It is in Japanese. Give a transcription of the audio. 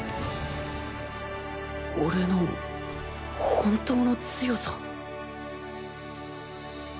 俺の本当の強さ？